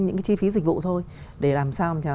những chi phí dịch vụ thôi để làm sao